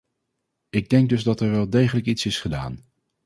Ik denk dus dat er wel degelijk iets is gedaan.